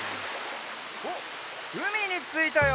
おっうみについたよ！